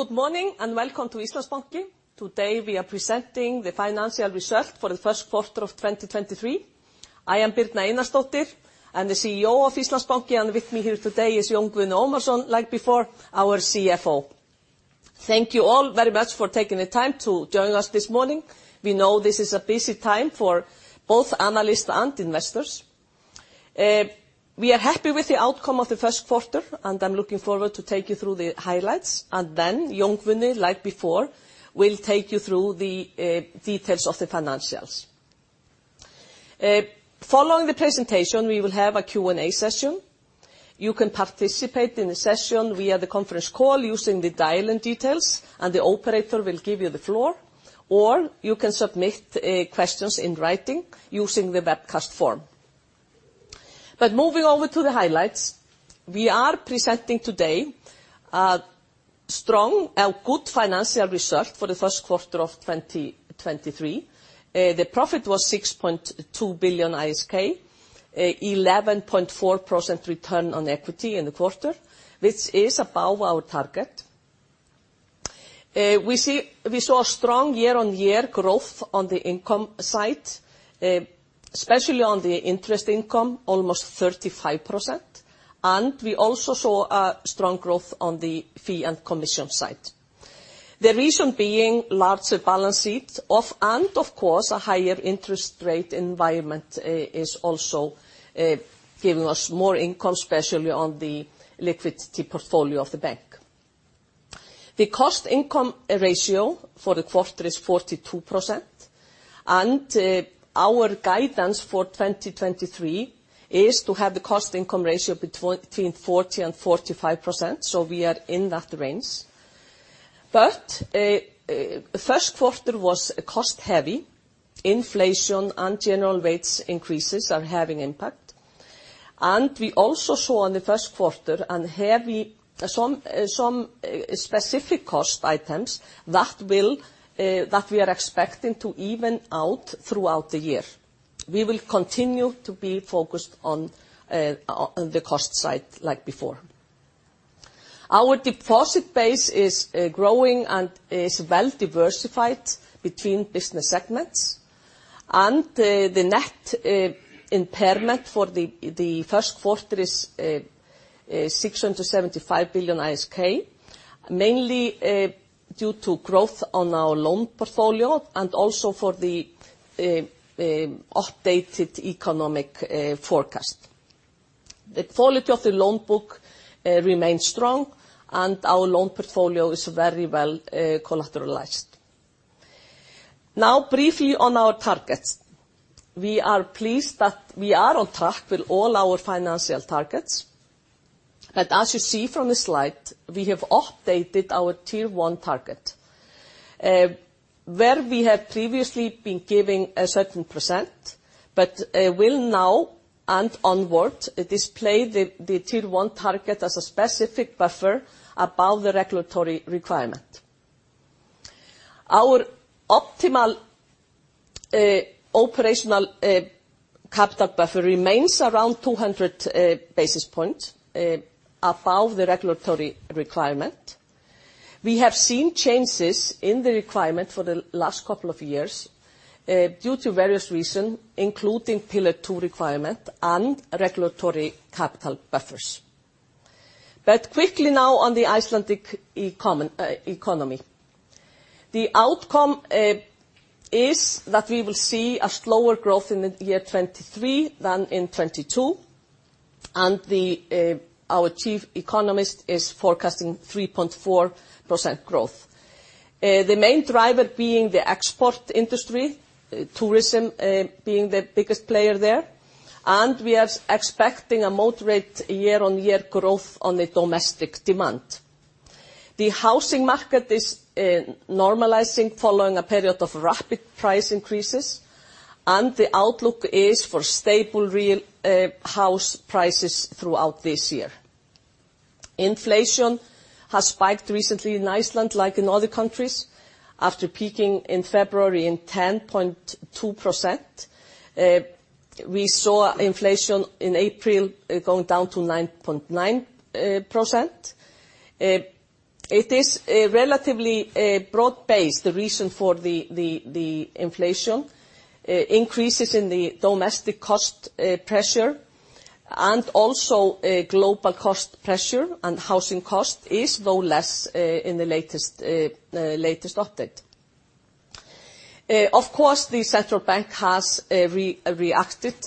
Good morning, and welcome to Íslandsbanki. Today, we are presenting the financial results for the first quarter of 2023. I am Birna Einarsdóttir, I'm the CEO of Íslandsbanki, and with me here today is Jón Guðni Ómarsson, like before, our CFO. Thank you all very much for taking the time to join us this morning. We know this is a busy time for both analysts and investors. We are happy with the outcome of the first quarter, and I'm looking forward to take you through the highlights. Jón Guðni, like before, will take you through the details of the financials. Following the presentation, we will have a Q&A session. You can participate in the session via the conference call using the dial-in details, and the operator will give you the floor, or you can submit questions in writing using the webcast form. Moving over to the highlights, we are presenting today a strong and good financial research for the first quarter of 2023. The profit was 6.2 billion ISK, 11.4% Return on Equity in the quarter, which is above our target. We saw a strong year-on-year growth on the income side, especially on the interest income, almost 35%, and we also saw a strong growth on the fee and commission side. The reason being larger balance sheet of, and of course, a higher interest rate environment, is also giving us more income, especially on the liquidity portfolio of the bank. The cost-income ratio for the quarter is 42%, and our guidance for 2023 is to have the cost-income ratio between 40% and 45%, so we are in that range. First quarter was cost-heavy. Inflation and general rates increases are having impact. We also saw in the first quarter some specific cost items that we are expecting to even out throughout the year. We will continue to be focused on the cost side like before. Our deposit base is growing and is well-diversified between business segments. The net impairment for the first quarter is 675 billion ISK, mainly due to growth on our loan portfolio and also for the updated economic forecast. The quality of the loan book remains strong, and our loan portfolio is very well collateralized. Now briefly on our targets. We are pleased that we are on track with all our financial targets. As you see from the slide, we have updated our Tier 1 target, where we have previously been giving a certain percent, but will now and onward display the Tier 1 target as a specific buffer above the regulatory requirement. Our optimal operational capital buffer remains around 200 basis points above the regulatory requirement. We have seen changes in the requirement for the last couple of years due to various reason, including Pillar 2 requirement and regulatory capital buffers. Quickly now on the Icelandic economy. The outcome is that we will see a slower growth in the year 2023 than in 2022, and our chief economist is forecasting 3.4% growth. The main driver being the export industry, tourism, being the biggest player there, and we are expecting a moderate year-on-year growth on the domestic demand. The housing market is normalizing following a period of rapid price increases, and the outlook is for stable real house prices throughout this year. Inflation has spiked recently in Iceland, like in other countries, after peaking in February in 10.2%. We saw inflation in April going down to 9.9%. It is a relatively broad base, the reason for the inflation increases in the domestic cost pressure and also a global cost pressure, and housing cost is, though less, in the latest latest update. Of course, the central bank has re-reacted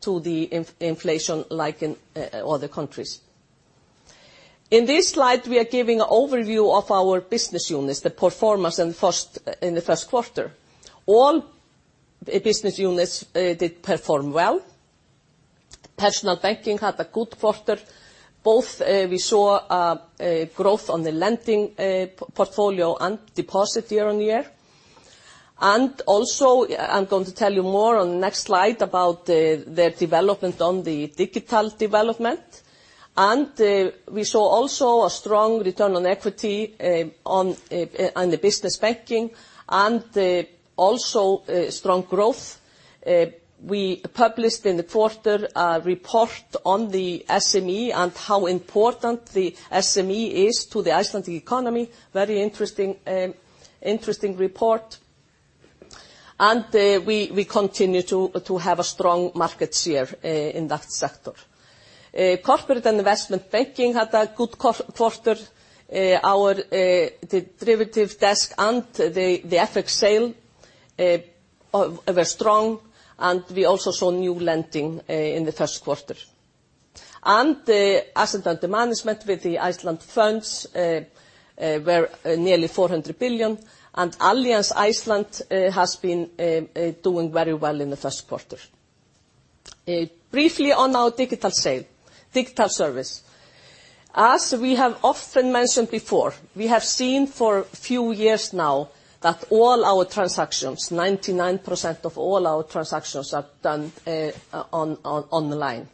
to the inflation like in other countries. In this slide, we are giving overview of our business units, the performance in the first quarter. All business units did perform well. Personal banking had a good quarter. Both, we saw a growth on the lending portfolio and deposit year-on-year. Also, I'm going to tell you more on the next slide about the development on the digital development. We saw also a strong Return on Equity on the business banking and also strong growth. We published in the quarter a report on the SME and how important the SME is to the Icelandic economy. Very interesting report. We continue to have a strong market share in that sector. Corporate and investment banking had a good quarter. Our derivative desk and the FX sale were strong, we also saw new lending in the first quarter. Asset under management with the Iceland Funds were nearly 400 billion, and Allianz Ísland has been doing very well in the first quarter. Briefly on our digital sale, digital service, as we have often mentioned before, we have seen for a few years now that all our transactions, 99% of all our transactions, are done online.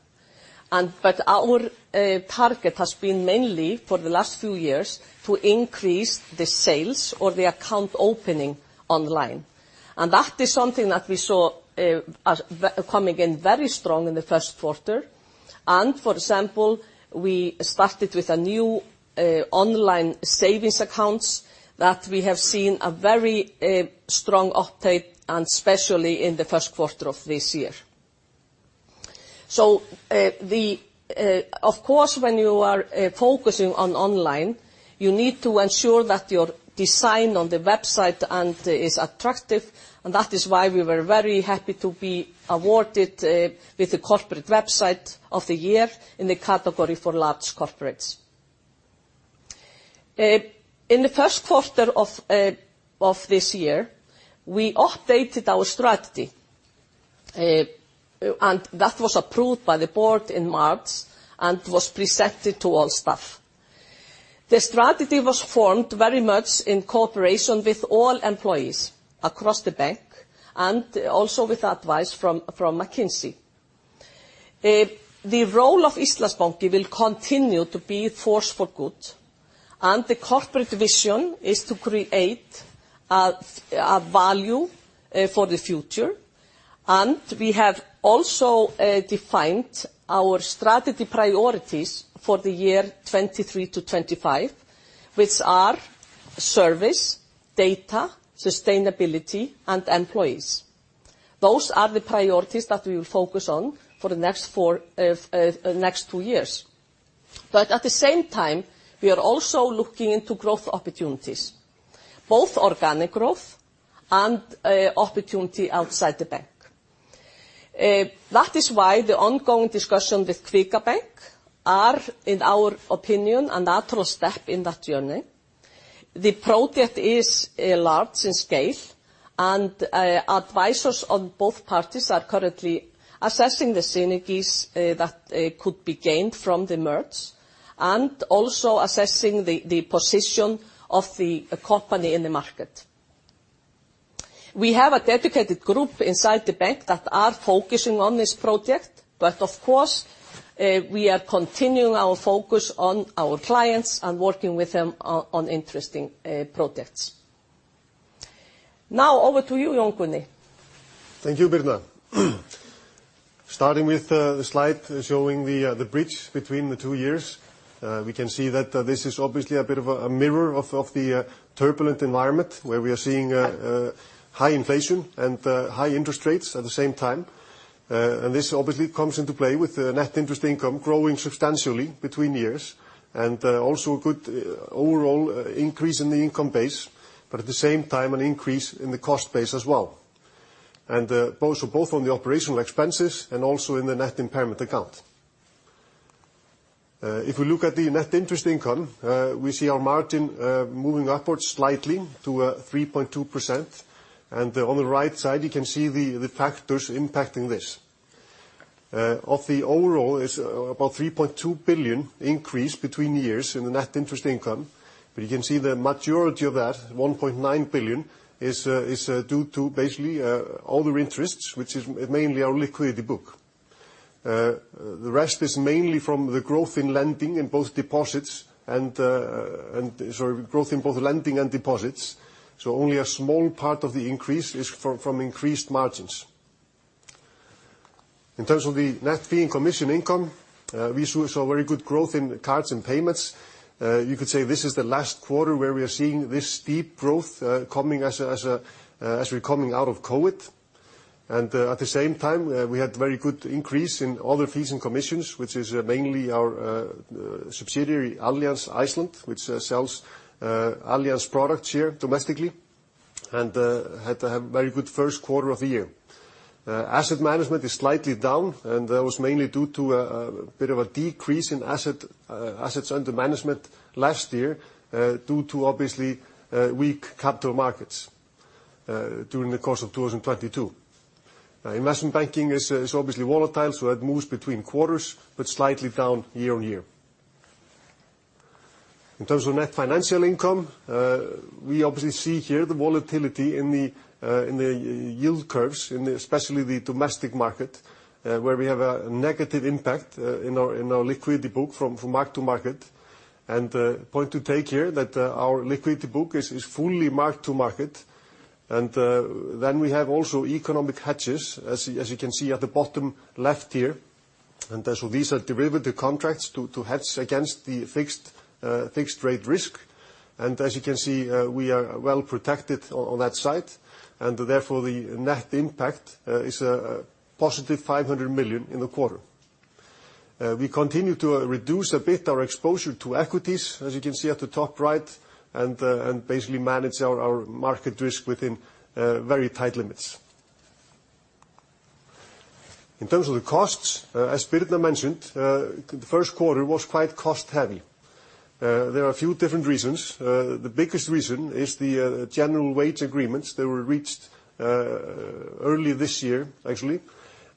Our target has been mainly, for the last few years, to increase the sales or the account opening online, and that is something that we saw coming in very strong in the first quarter. For example, we started with a new online savings accounts that we have seen a very strong uptake and especially in the first quarter of this year. Of course, when you are focusing on online, you need to ensure that your design on the website is attractive, and that is why we were very happy to be awarded with the corporate website of the year in the category for large corporates. In the first quarter of this year, we updated our strategy, and that was approved by the board in March and was presented to all staff. The strategy was formed very much in cooperation with all employees across the bank and also with advice from McKinsey. The role of Íslandsbanki will continue to be force for good, and the corporate vision is to create a value for the future. We have also defined our strategy priorities for the year 2023 to 2025, which are service, data, sustainability, and employees. Those are the priorities that we will focus on for the next four next two years. At the same time, we are also looking into growth opportunities, both organic growth and opportunity outside the bank. That is why the ongoing discussion with Kvika banki are, in our opinion, a natural step in that journey. The project is large in scale, and advisors on both parties are currently assessing the synergies that could be gained from the merge and also assessing the position of the company in the market. We have a dedicated group inside the bank that are focusing on this project, but of course, we are continuing our focus on our clients and working with them on interesting, projects. Now over to you, Jón Guðni. Thank you, Birna. Starting with the slide showing the bridge between the two years, we can see that this is obviously a bit of a mirror of the turbulent environment, where we are seeing high inflation and high interest rates at the same time. This obviously comes into play with the net interest income growing substantially between years and also a good overall increase in the income base, but at the same time, an increase in the cost base as well, and both on the operational expenses and also in the net impairment account. If we look at the net interest income, we see our margin moving upwards slightly to 3.2%. On the right side, you can see the factors impacting this. Of the overall is about 3.2 billion increase between years in the net interest income, but you can see the majority of that, 1.9 billion, is due to basically other interests, which is mainly our liquidity book. The rest is mainly from the growth in lending in both deposits and, sorry, growth in both lending and deposits, so only a small part of the increase is from increased margins. In terms of the net fee and commission income, we saw very good growth in cards and payments. You could say this is the last quarter where we are seeing this steep growth coming as we're coming out of COVID. At the same time, we had very good increase in other fees and commissions, which is mainly our subsidiary, Allianz Ísland, which sells Allianz products here domestically and had to have very good first quarter of the year. Asset management is slightly down, and that was mainly due to a bit of a decrease in assets under management last year, due to obviously weak capital markets during the course of 2022. Investment banking is obviously volatile, so it moves between quarters, but slightly down year on year. In terms of net financial income, we obviously see here the volatility in the yield curves in especially the domestic market, where we have a negative impact in our liquidity book from mark to market. Point to take here that our liquidity book is fully mark to market. We have also economic hedges. As you can see at the bottom left here, these are derivative contracts to hedge against the fixed fixed rate risk. As you can see, we are well protected on that side. Therefore, the net impact is a positive 500 million in the quarter. We continue to reduce a bit our exposure to equities, as you can see at the top right, basically manage our market risk within very tight limits. In terms of the costs, as Birna Einarsdóttir mentioned, the first quarter was quite cost heavy. There are a few different reasons. The biggest reason is the general wage agreements that were reached early this year, actually.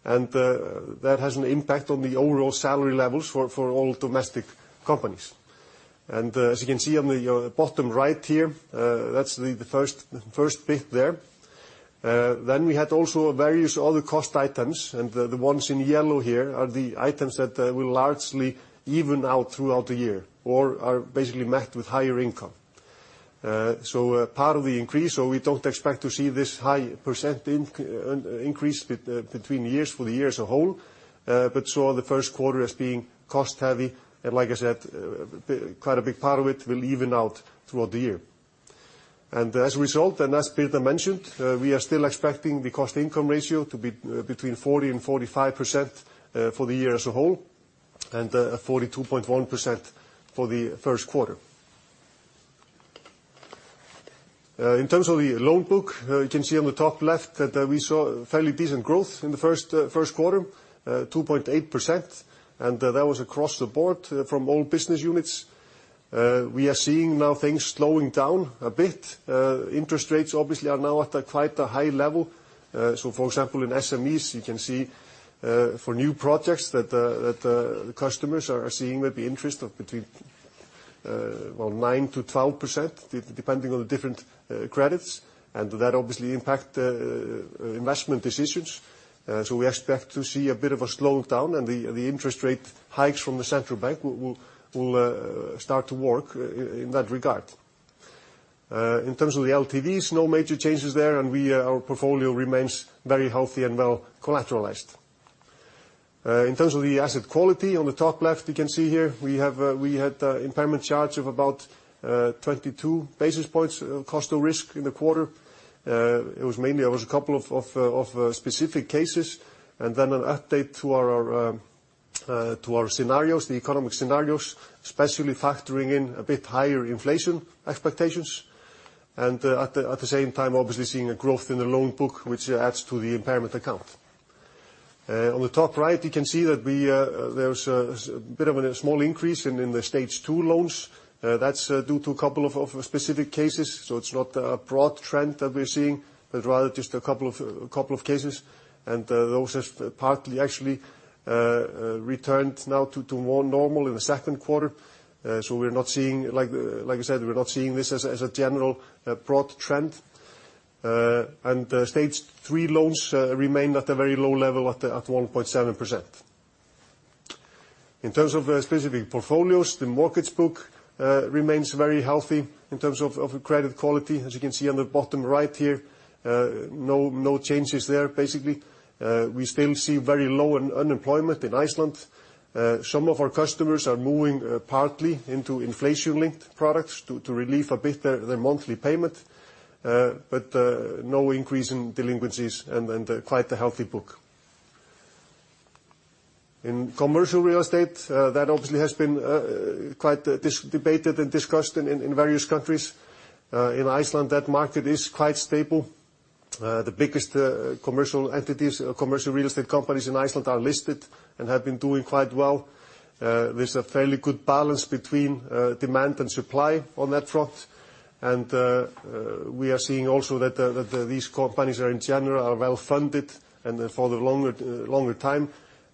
That has an impact on the overall salary levels for all domestic companies. As you can see on the bottom right here, that's the first bit there. We had also various other cost items, and the ones in yellow here are the items that will largely even out throughout the year or are basically met with higher income. Part of the increase, so we don't expect to see this high % increase between years for the year as a whole, but saw the first quarter as being cost heavy. Like I said, quite a big part of it will even out throughout the year. As a result, and as Birna mentioned, we are still expecting the cost-income ratio to be between 40%-45% for the year as a whole, and 42.1% for the first quarter. In terms of the loan book, you can see on the top left that we saw fairly decent growth in the first quarter, 2.8%, and that was across the board from all business units. We are seeing now things slowing down a bit. Interest rates obviously are now at a quite a high level. So for example, in SMEs, you can see for new projects that customers are seeing maybe interest of between, well, 9%-12% depending on the different credits. That obviously impact investment decisions. We expect to see a bit of a slowdown and the interest rate hikes from the central bank will start to work in that regard. In terms of the LTDs, no major changes there, and our portfolio remains very healthy and well collateralized. In terms of the asset quality, on the top left, you can see here we have, we had impairment charge of about 22 basis points cost of risk in the quarter. It was mainly, it was a couple of specific cases, and then an update to our scenarios, the economic scenarios, especially factoring in a bit higher inflation expectations. At the same time, obviously seeing a growth in the loan book, which adds to the impairment account. On the top right, you can see that we, there's a bit of a small increase in the stage two loans. That's due to a couple of specific cases. It's not a broad trend that we're seeing, but rather just a couple of cases. Those have partly actually returned now to more normal in the second quarter. We're not seeing, like I said, we're not seeing this as a general broad trend. Stage three loans remain at a very low level at 1.7%. In terms of specific portfolios, the mortgage book remains very healthy in terms of credit quality. As you can see on the bottom right here, no changes there, basically. We still see very low unemployment in Iceland. Some of our customers are moving partly into inflation-linked products to relieve a bit their monthly payment. No increase in delinquencies and then, quite a healthy book. In commercial real estate, that obviously has been quite debated and discussed in various countries. In Iceland, that market is quite stable. The biggest commercial entities, commercial real estate companies in Iceland are listed and have been doing quite well. There's a fairly good balance between demand and supply on that front. We are seeing also that these companies are in general are well-funded and for the longer time.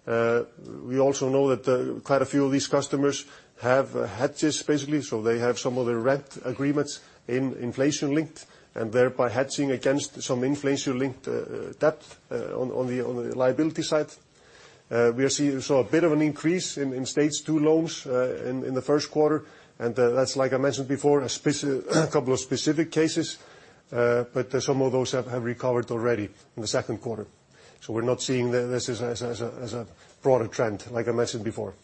We also know that quite a few of these customers have hedges, basically, so they have some of the rent agreements in inflation linked, and thereby hedging against some inflation-linked debt on the liability side. We saw a bit of an increase in Stage Two loans in the first quarter, that's like I mentioned before, a couple of specific cases, but some of those have recovered already in the second quarter. We're not seeing this as a broader trend, like I mentioned before.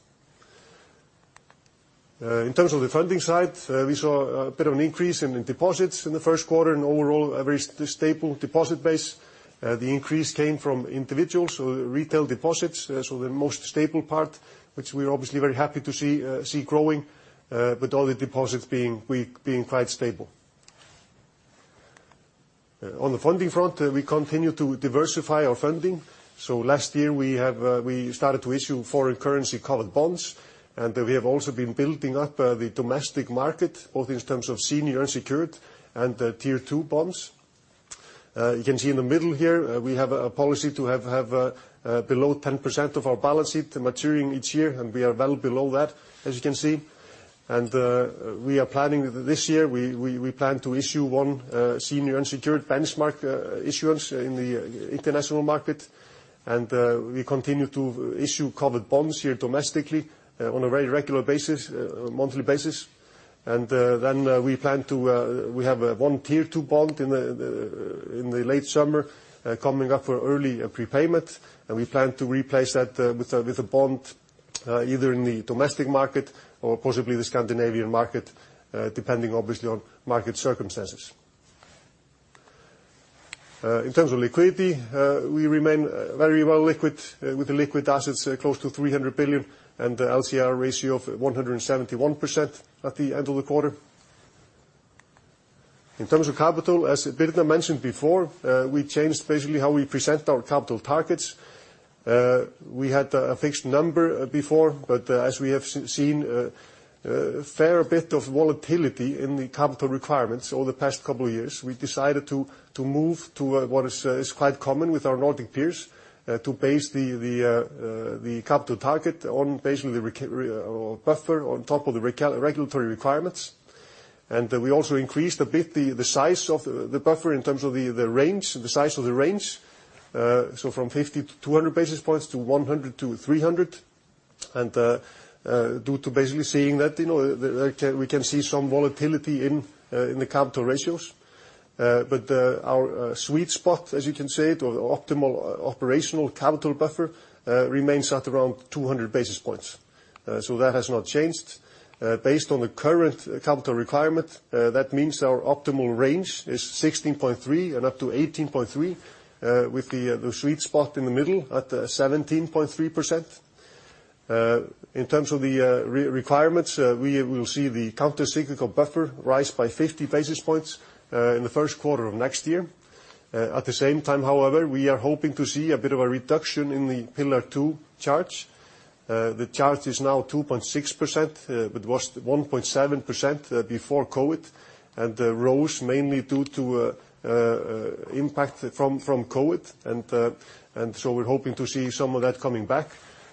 In terms of the funding side, we saw a bit of an increase in deposits in the first quarter and overall a very stable deposit base. The increase came from individuals, so retail deposits, so the most stable part, which we're obviously very happy to see growing, but all the deposits being quite stable. On the funding front, we continue to diversify our funding. Last year we started to issue foreign currency covered bonds, and we have also been building up the domestic market, both in terms of senior unsecured and Tier 2 bonds. You can see in the middle here, we have a policy to have below 10% of our balance sheet maturing each year, and we are well below that, as you can see. We are planning this year, we plan to issue one senior unsecured benchmark issuance in the international market. We continue to issue covered bonds here domestically on a very regular basis, monthly basis. Then we plan to we have one Tier 2 bond in the late summer coming up for early prepayment, and we plan to replace that with a bond either in the domestic market or possibly the Scandinavian market, depending obviously on market circumstances. In terms of liquidity, we remain very well liquid, with the liquid assets close to 300 billion and the LCR ratio of 171% at the end of the quarter. In terms of capital, as Birna mentioned before, we changed basically how we present our capital targets. We had a fixed number before, but as we have seen a fair bit of volatility in the capital requirements over the past couple of years, we decided to move to what is quite common with our Nordic peers, to base the capital target on basically or buffer on top of the regulatory requirements. We also increased a bit the size of the buffer in terms of the range, the size of the range. From 50-200 basis points to 100-300. Due to basically seeing that, you know, that we can see some volatility in the capital ratios. Our sweet spot, as you can say it, or the optimal operational capital buffer, remains at around 200 basis points. That has not changed. Based on the current capital requirement, that means our optimal range is 16.3% and up to 18.3%, with the sweet spot in the middle at 17.3%. In terms of the re-requirements, we will see the countercyclical buffer rise by 50 basis points in the first quarter of next year. At the same time, however, we are hoping to see a bit of a reduction in the Pillar 2 charge. The charge is now 2.6%, but was 1.7% before COVID, and rose mainly due to impact from COVID. We're hoping to see some of that coming back,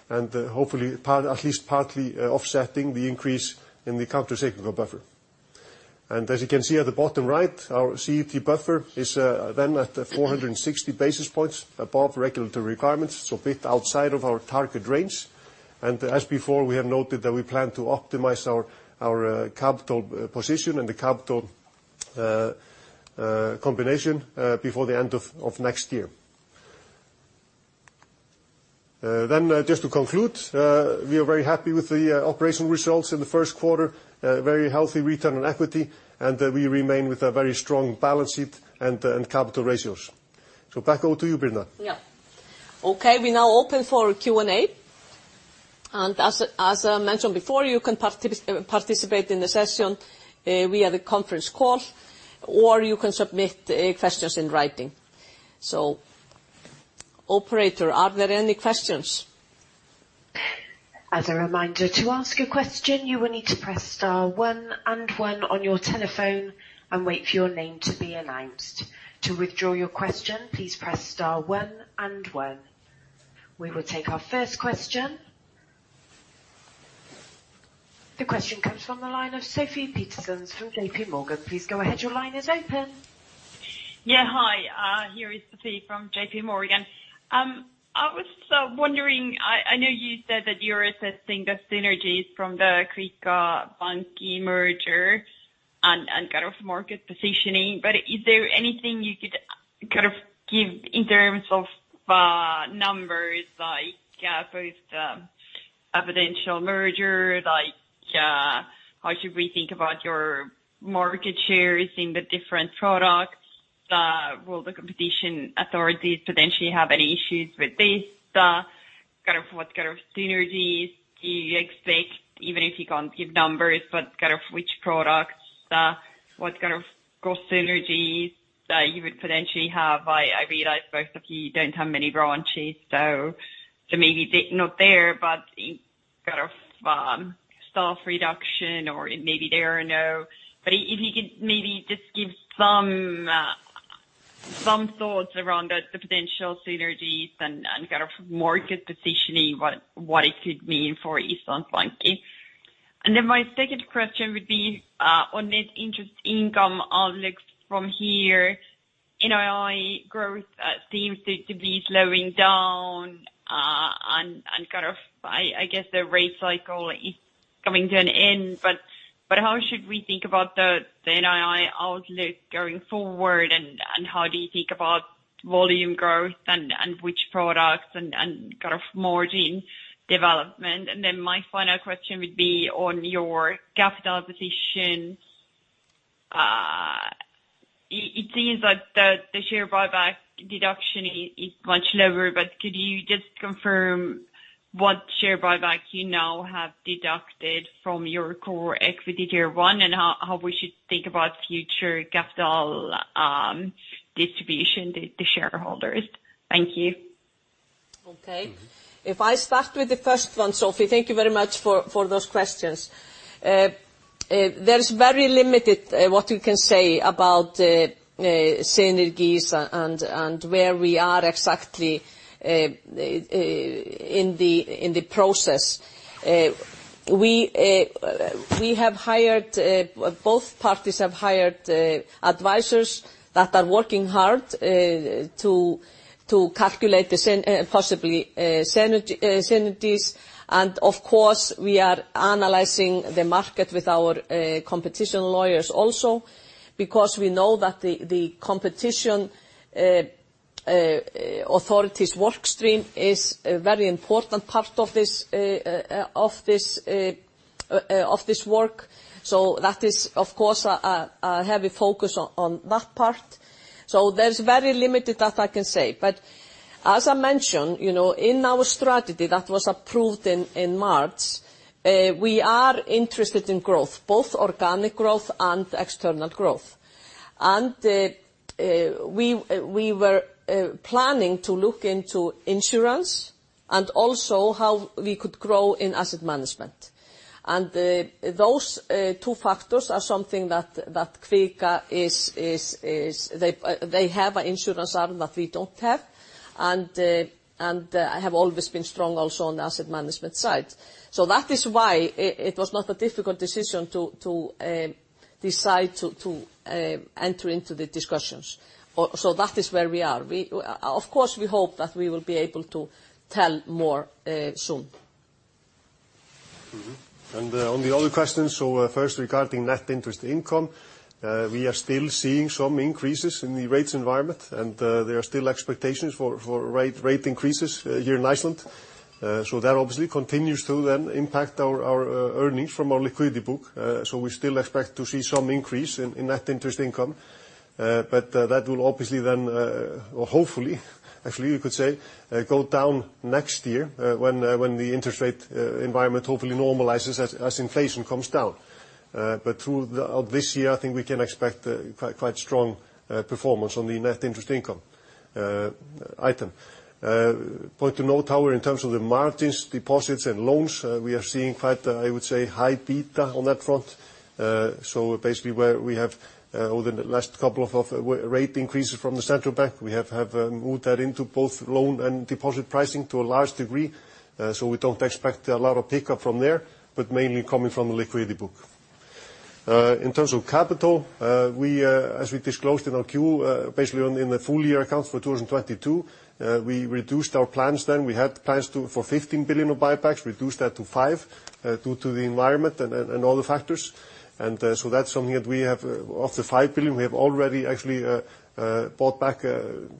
and hopefully at least partly offsetting the increase in the countercyclical buffer. As you can see at the bottom right, our CET buffer is then at 460 basis points above regulatory requirements, so a bit outside of our target range. As before, we have noted that we plan to optimize our capital position and the capital combination before the end of next year. Just to conclude, we are very happy with the operational results in the first quarter, very healthy Return on Equity, and we remain with a very strong balance sheet and capital ratios. Back over to you, Birna. Yeah. Okay, we now open for Q&A. As I mentioned before, you can participate in the session, via the conference call, or you can submit questions in writing. Operator, are there any questions? As a reminder, to ask a question, you will need to press star one and one on your telephone and wait for your name to be announced. To withdraw your question, please press star one and one. We will take our first question. The question comes from the line of Sofie Peterzens from JP Morgan. Please go ahead. Your line is open. Yeah. Hi, here is Sofie from JP Morgan. I was wondering, I know you said that you're assessing the synergies from the Kvika banki merger and kind of market positioning. Is there anything you could kind of give in terms of numbers, like, both, evidential merger, like, how should we think about your market shares in the different products? Will the competition authorities potentially have any issues with this? What kind of synergies do you expect, even if you can't give numbers, but kind of which products, what kind of cost synergies, you would potentially have? I realize both of you don't have many branches, so maybe not there, but kind of staff reduction. If you could maybe just give some thoughts around the potential synergies and kind of market positioning, what it could mean for Íslandsbanki? My second question would be on net interest income outlook from here. NII growth seems to be slowing down and kind of, I guess, the rate cycle is coming to an end, but how should we think about the NII outlook going forward, and how do you think about volume growth and which products and kind of margin development? And then my final question would be on your capital position. It seems like the share buyback deduction is much lower, but could you just confirm what share buyback you now have deducted from your Core Equity Tier 1 and how we should think about future capital, distribution to shareholders? Thank you. Okay. If I start with the first one, Sofie, thank you very much for those questions. There's very limited what we can say about synergies and where we are exactly in the process. We have hired, both parties have hired, advisors that are working hard to calculate possibly synergies. And of course we are analyzing the market with our competition lawyers also because we know that the competition authority's work stream is a very important part of this of this work. That is of course a heavy focus on that part. So there's very limited that I can say. As I mentioned, you know, in our strategy that was approved in March, we are interested in growth, both organic growth and external growth. We were planning to look into insurance and also how we could grow in asset management. Those two factors are something that Kvika is, is, is, They have an insurance arm that we don't have and have always been strong also on the asset management side. So that is why it was not a difficult decision to decide to enter into the discussions. So that is where we are. We. Of course, we hope that we will be able to tell more soon. Mm-hmm. On the other questions, first regarding net interest income, we are still seeing some increases in the rates environment, there are still expectations for rate increases here in Iceland. That obviously continues to then impact our earnings from our liquidity book. We still expect to see some increase in net interest income. That will obviously then, or hopefully actually you could say, go down next year, when the interest rate environment hopefully normalizes as inflation comes down. Through this year, I think we can expect quite strong performance on the net interest income item. Point to note, however, in terms of the margins, deposits and loans, we are seeing quite, I would say, high beta on that front. So basically where we have, over the last couple of rate increases from the central bank, we have moved that into both loan and deposit pricing to a large degree. So we don't expect a lot of pickup from there, but mainly coming from the liquidity book. In terms of capital, we, as we disclosed in our Q, basically in the full year accounts for 2022, we reduced our plans then. We had plans for 15 billion of buybacks, reduced that to 5 billion, due to the environment and all the factors. So that's something that we have, of the 5 billion, we have already actually, bought back,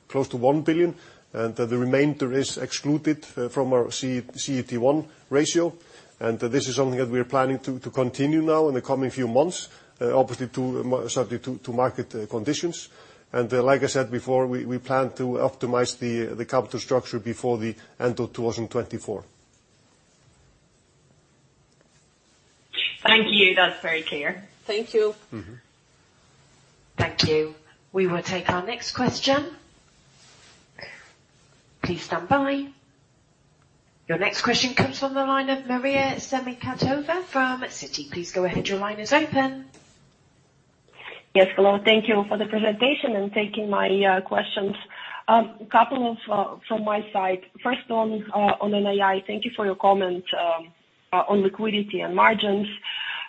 close to 1 billion, and the remainder is excluded from our CET1 ratio. This is something that we are planning to continue now in the coming few months, obviously to, subject to market conditions. Like I said before, we plan to optimize the capital structure before the end of 2024. Thank you. That's very clear. Thank you. Mm-hmm. Thank you. We will take our next question. Please stand by. Your next question comes from the line of Maria Semenkhatova from Citi. Please go ahead. Your line is open. Yes. Hello. Thank you for the presentation and taking my questions. A couple of from my side. First on NII, thank you for your comment on liquidity and margins.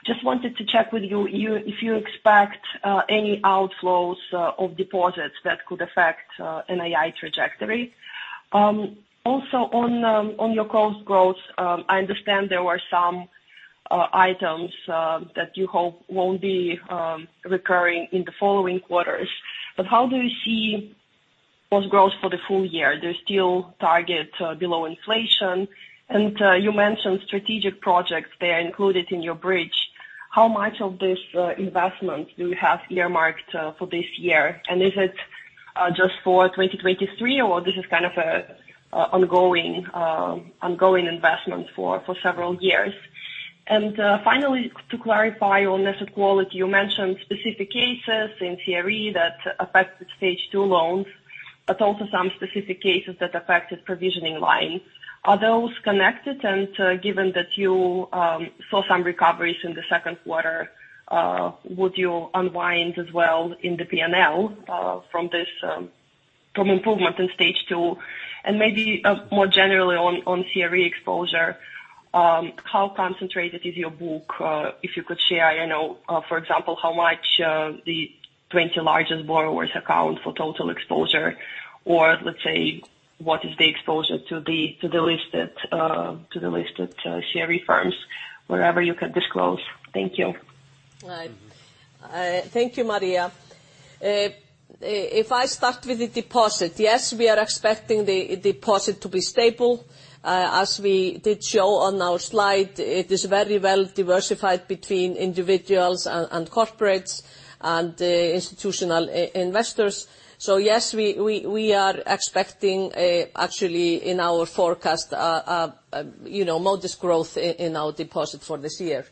Just wanted to check with you, if you expect any outflows of deposits that could affect NII trajectory. Also on your cost growth, I understand there were some items that you hope won't be recurring in the following quarters, but how do you see cost growth for the full year? There's still target below inflation. You mentioned strategic projects, they are included in your bridge. How much of this investment do you have earmarked for this year? Is it just for 2023 or this is kind of an ongoing investment for several years? Finally, to clarify on asset quality, you mentioned specific cases in CRE that affected stage two loans, but also some specific cases that affected provisioning line. Are those connected? Given that you saw some recoveries in the second quarter, would you unwind as well in the PNL from this from improvement in stage two? Maybe more generally on CRE exposure, how concentrated is your book? If you could share, you know, for example, how much the 20 largest borrowers account for total exposure or, let's say, what is the exposure to the listed to the listed share RE firms, whatever you can disclose. Thank you. Right. Mm-hmm. Thank you Maria. If I start with the deposit, yes, we are expecting the deposit to be stable. As we did show on our slide, it is very well diversified between individuals and corporates and institutional investors. Yes, we are expecting, actually in our forecast, you know, modest growth in our deposit for this year.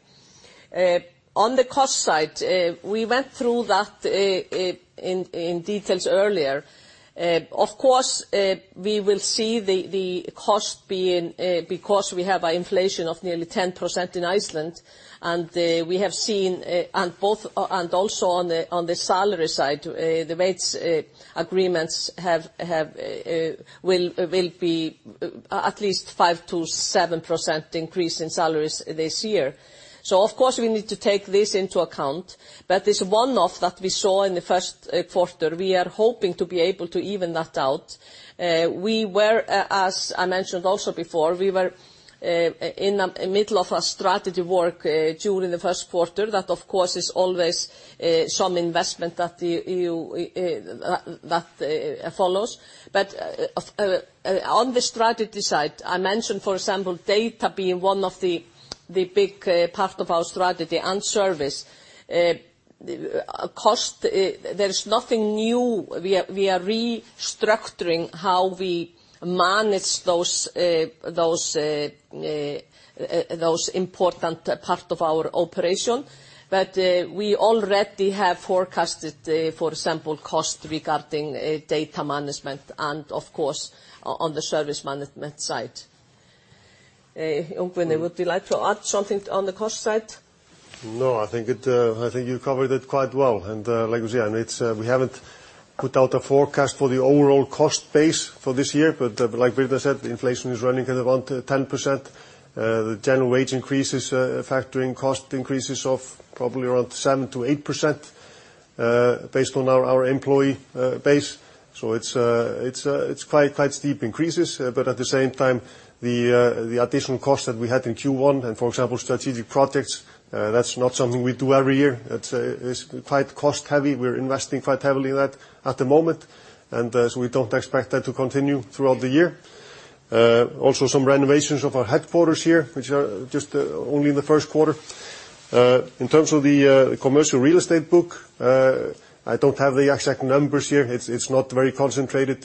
On the cost side, we went through that in details earlier. Of course, we will see the cost being, because we have a inflation of nearly 10% in Iceland, and we have seen and also on the salary side, the rates agreements will be at least 5%-7% increase in salaries this year. Of course, we need to take this into account. This one-off that we saw in the first quarter, we are hoping to be able to even that out. We were, as I mentioned also before, we were, in a middle of a strategy work, during the first quarter. That, of course, is always, some investment that you, that, follows, but on the strategy side, I mentioned, for example, data being one of the big part of our strategy and service. Cost, there is nothing new. We are restructuring how we manage those important part of our operation. We already have forecasted for example, cost regarding data management and of course on the service management side. Jón Guðni, would you like to add something on the cost side? No, I think it, I think you covered it quite well. Like you say, we haven't put out a forecast for the overall cost base for this year, but like Birna said, the inflation is running at about 10%. The general wage increases, factoring cost increases of probably around 7%-8%, based on our employee base. It's quite steep increases. But at the same time, the additional cost that we had in Q1 and for example, strategic projects, that's not something we do every year. It's quite cost-heavy. We're investing quite heavily in that at the moment. So we don't expect that to continue throughout the year. Also some renovations of our headquarters here, which are just only in the first quarter. In terms of the commercial real estate book, I don't have the exact numbers here. It's not very concentrated,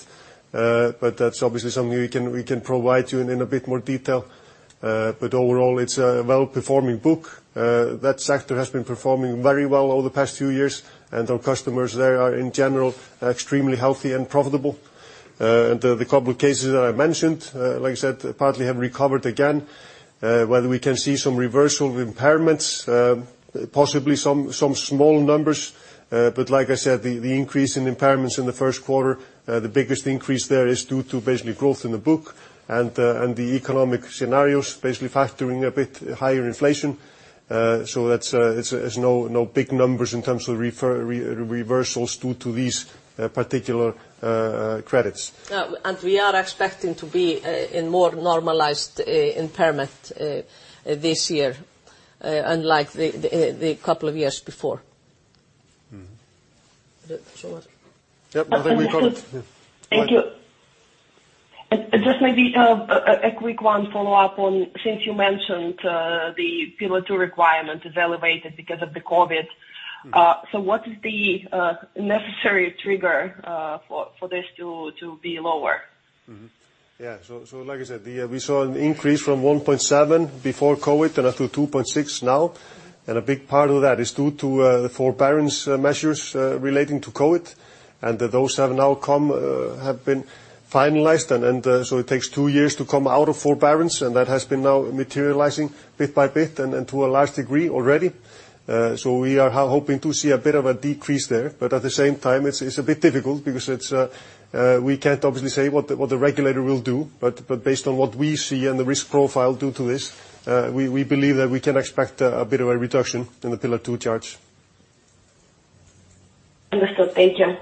but that's obviously something we can provide you in a bit more detail. Overall, it's a well-performing book. That sector has been performing very well over the past few years, and our customers there are, in general, extremely healthy and profitable. The couple of cases that I mentioned, like I said, partly have recovered again. Whether we can see some reversal of impairments, possibly some small numbers. Like I said, the increase in impairments in the first quarter, the biggest increase there is due to basically growth in the book and the, and the economic scenarios, basically factoring a bit higher inflation. That's, it's no big numbers in terms of reversals due to these, particular, credits. We are expecting to be in more normalized impairment this year, unlike the couple of years before. Mm-hmm. Is it so much? Yep. I think we got it. Yeah. Thank you. Just maybe, a quick one follow-up on since you mentioned, the Pillar 2 requirement is elevated because of the COVID. What is the necessary trigger for this to be lower? Yeah. Like I said, we saw an increase from 1.7 before COVID and up to 2.6 now. A big part of that is due to the forbearance measures relating to COVID. Those have now come, have been finalized, and so it takes 2 years to come out of forbearance, and that has been now materializing bit by bit and to a large degree already. So we are hoping to see a bit of a decrease there. At the same time, it's a bit difficult because we can't obviously say what the, what the regulator will do. Based on what we see and the risk profile due to this, we believe that we can expect a bit of a reduction in the Pillar 2 charge. Understood. Thank you.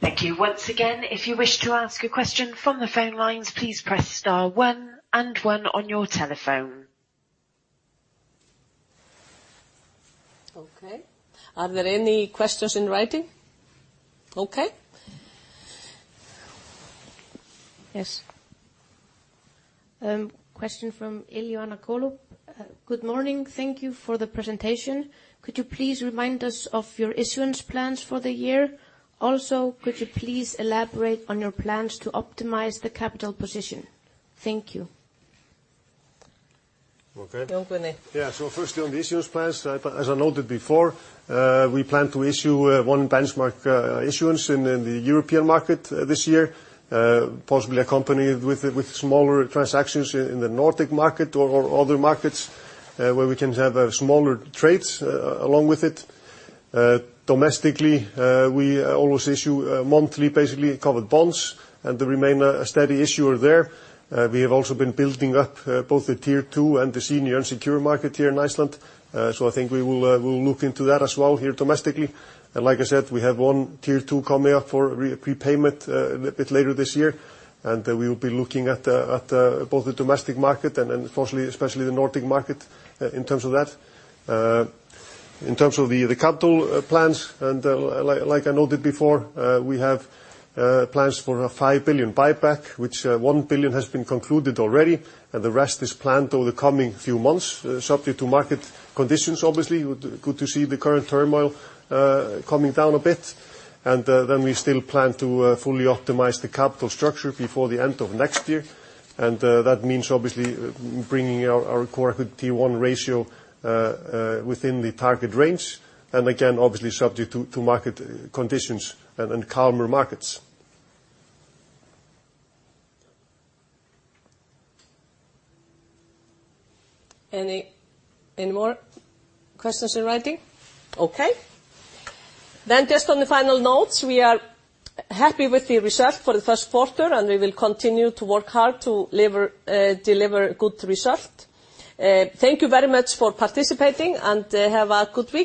Thank you. Once again, if you wish to ask a question from the phone lines, please press star one and one on your telephone. Okay. Are there any questions in writing? Okay. Yes. Question from Elena Gaber. Good morning. Thank you for the presentation. Could you please remind us of your issuance plans for the year? Also, could you please elaborate on your plans to optimize the capital position? Thank you. Okay. Jón Guðni. Firstly, on the issuance plans, as I noted before, we plan to issue 1 benchmark issuance in the European market this year, possibly accompanied with smaller transactions in the Nordic market or other markets, where we can have smaller trades along with it. Domestically, we always issue monthly, basically, covered bonds and remain a steady issuer there. We have also been building up both the Tier 2 and the senior unsecured market here in Iceland. I think we will look into that as well here domestically. Like I said, we have one Tier 2 coming up for prepayment a bit later this year. We will be looking at both the domestic market and especially the Nordic market in terms of that. In terms of the capital plans, and like I noted before, we have plans for an 5 billion buyback, which 1 billion has been concluded already, and the rest is planned over the coming few months, subject to market conditions, obviously. We'd good to see the current turmoil coming down a bit. Then we still plan to fully optimize the capital structure before the end of next year. That means obviously bringing our Core Equity 1 ratio within the target range, and again, obviously subject to market conditions and calmer markets. Any more questions in writing? Okay. Just on the final notes, we are happy with the result for the first quarter, and we will continue to work hard to deliver good result. Thank you very much for participating, and have a good week